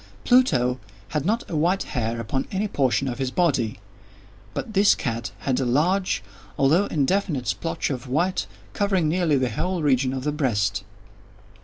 Pluto had not a white hair upon any portion of his body; but this cat had a large, although indefinite splotch of white, covering nearly the whole region of the breast.